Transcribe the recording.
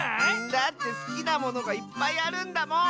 だってすきなものがいっぱいあるんだもん！